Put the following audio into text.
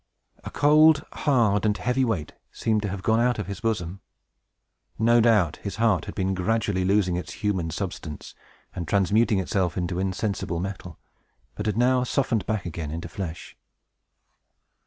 A cold, hard, and heavy weight seemed to have gone out of his bosom. No doubt, his heart had been gradually losing its human substance, and transmuting itself into insensible metal, but had now softened back again into flesh.